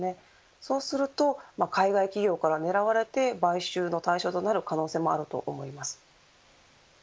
そうすると海外企業から狙われて買収の対象となる可能性もあると思います。